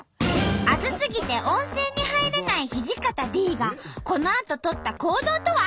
熱すぎて温泉に入れない土方Ｄがこのあと取った行動とは？